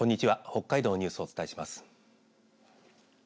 北海道のニュースをお伝えします。